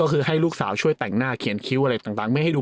ก็คือให้ลูกสาวช่วยแต่งหน้าเขียนคิ้วอะไรต่างไม่ให้ดู